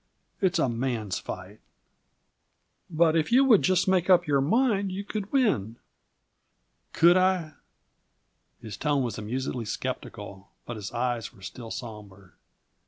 It's a man's fight!" "But if you would just make up your mind, you could win." "Could I?" His tone was amusedly skeptical, but his eyes were still somber.